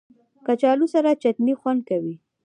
کچالو سره چټني خوند کوي